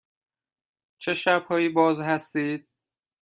چه شب هایی باز هستید؟